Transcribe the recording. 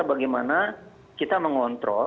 bagaimana kita mengontrol